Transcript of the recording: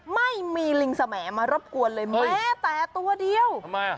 ไม่มีลิงแสมอมารบกวนเลยแม้แต่ตัวเดียว